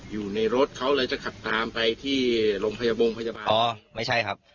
อยู่ในรถเขาเลยจะขับตามไปที่โรงพยาบาลอ๋อไม่ใช่ครับ